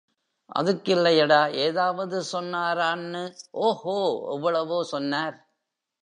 அதுக்கில்லையடா, ஏதாவது சொன்னாரான்னு... ஓஹோ..... எவ்வளவோ சொன்னார்.